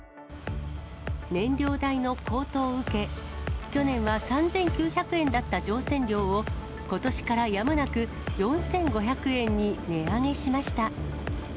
燃料代の高騰を受け、去年は３９００円だった乗船料を、ことしからやむなく４５００円に値上げしました。